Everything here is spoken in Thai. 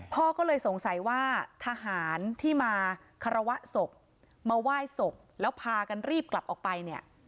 พ่อก็เลยสงสัยว่าทหารที่มาคารวะศพมาไหว้ศพแล้วพากันรีบกลับออกไปเนี่ย